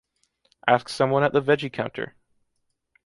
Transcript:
Ask someone at the veggie counter.